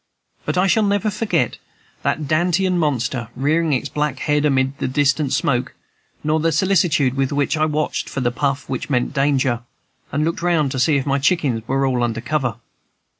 But I shall never forget that Dantean monster, rearing its black head amid the distant smoke, nor the solicitude with which I watched for the puff which meant danger, and looked round to see if my chickens were all under cover.